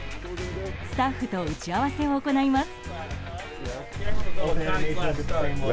スタッフと打ち合わせを行います。